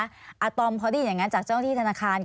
อาตอมพอได้ยินอย่างนั้นจากเจ้าที่ธนาคาร